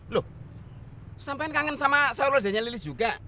loh sampein kangen sama sayur lodenya lilis juga